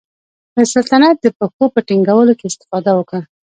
د سلطنت د پښو په ټینګولو کې استفاده وکړه.